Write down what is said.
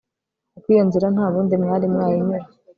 kuko iyo nzira nta bundi mwari mwayinyura